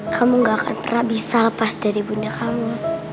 kamu gak akan pernah bisa lepas dari bunda kamu